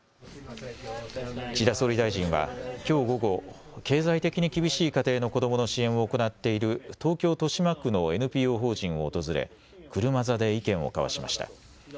岸田総理大臣は、きょう午後経済的に厳しい家庭の子どもの支援を行っている東京豊島区のＮＰＯ法人を訪れ車座で意見を交わしました。